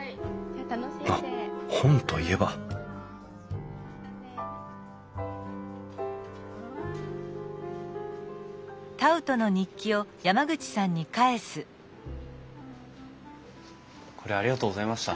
あっ本といえばこれありがとうございました。